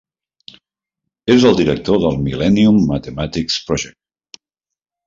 És el director del Millennium Mathematics Project.